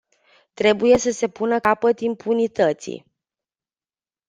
Trebuie să se pună capăt impunității.